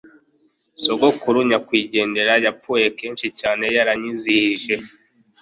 Sogokuru nyakwigendera wapfuye kenshi cyane yaranyizihije